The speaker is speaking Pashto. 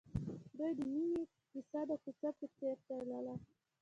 د دوی د مینې کیسه د کوڅه په څېر تلله.